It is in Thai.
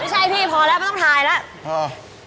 พี่พอแล้วไม่ต้องถ่ายแล้ว